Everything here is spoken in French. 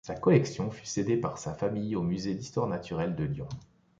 Sa collection fut cédée par sa famille au Muséum d'Histoire naturelle de Lyon.